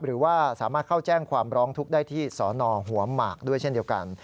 หรือว่าสามารถเข้าแจ้งความร้องทุกข์ได้ที่สนหัวหมากด้วยเช่นเดียวกัน